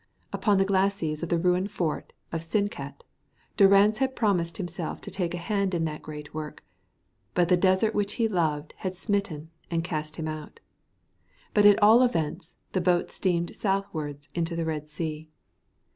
Upon the glacis of the ruined fort of Sinkat, Durrance had promised himself to take a hand in that great work, but the desert which he loved had smitten and cast him out. But at all events the boat steamed southwards into the Red Sea.